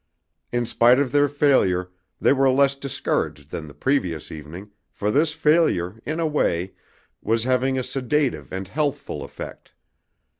In spite of their failure they were less discouraged than the previous evening, for this failure, in a way, was having a sedative and healthful effect.